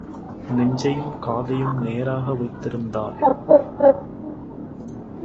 நெஞ்சையும் காதையும் நேராக வைத்திருந்தார்: